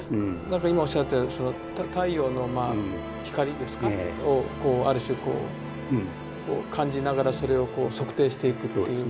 何か今おっしゃったその太陽のまあ光ですか？をある種こう感じながらそれをこう測定していくっていう。